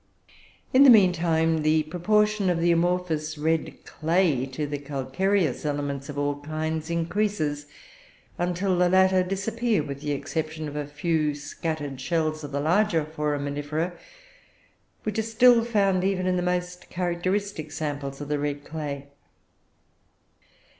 "In the meantime the proportion of the amorphous 'red clay' to the calcareous elements of all kinds increases, until the latter disappear, with the exception of a few scattered shells of the larger Foraminifera, which are still found even in the most characteristic samples of the 'red clay.'